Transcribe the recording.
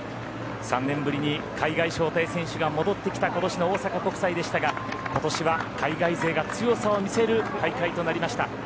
３年ぶりに海外招待選手が戻ってきた今年の大阪国際でしたが今年は海外勢が強さを見せる大会となりました。